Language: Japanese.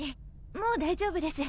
もう大丈夫です。